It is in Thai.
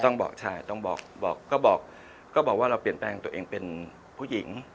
ต้องบอกใช่ต้องบอกบอกก็บอกก็บอกว่าเราเปลี่ยนแปลงตัวเองเป็นผู้หญิง